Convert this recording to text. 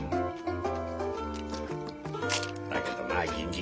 だけどな銀次。